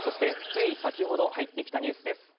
つい先ほど入ってきたニュースです。